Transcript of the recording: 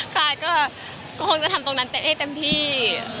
ค่ะก็คงจะทำตรงนั้นแต่ให้เต็มที่